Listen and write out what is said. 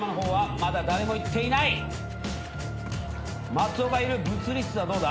松尾がいる物理室はどうだ？